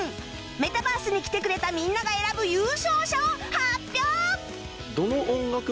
メタバースに来てくれたみんなが選ぶ優勝者を発表！